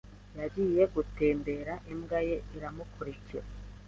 Yagiye gutembera, imbwa ye imukurikira.